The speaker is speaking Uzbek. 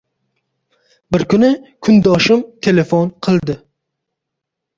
Bir kuni kundoshim telefon qildi